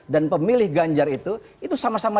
dan pemilih ganjar itu itu sama sama